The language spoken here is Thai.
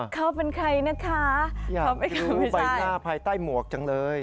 เข้าเป็นใครนะคะเข้าไปกันไม่ใช่อยากรู้ไปหน้าภายใต้หมวกจังเลย